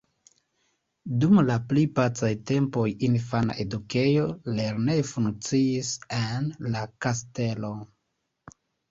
Dum la pli pacaj tempoj infana edukejo, lernejo funkciis en la kastelo.